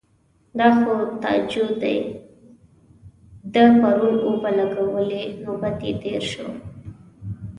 _دا خو تاجو دی، ده پرون اوبه ولګولې. نوبت يې تېر شو.